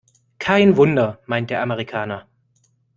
Kein Wunder, meint der Amerikaner.